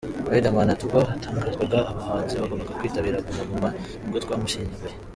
Riderman ati: "Ubwo hatangazwaga abahanzi bagomba kwitabira Guma Guma nibwo twamushyinguye.